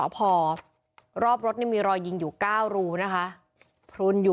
พวกมันต้องกินกันพี่